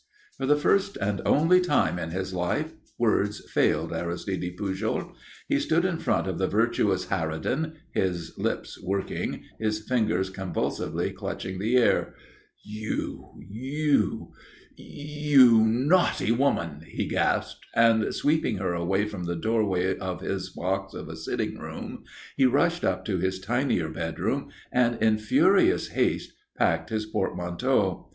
For the first and only time in his life words failed Aristide Pujol. He stood in front of the virtuous harridan, his lips working, his fingers convulsively clutching the air. "You you you you naughty woman!" he gasped, and, sweeping her away from the doorway of his box of a sitting room, he rushed up to his tinier bedroom and in furious haste packed his portmanteau.